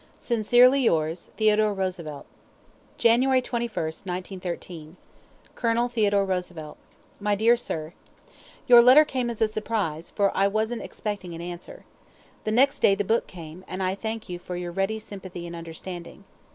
Sincerely yours, THEODORE ROOSEVELT. January 21, 1913. Colonel Theodore Roosevelt: My dear Sir Your letter came as a surprise, for I wasn't expecting an answer. The next day the book came, and I thank you for your ready sympathy and understanding.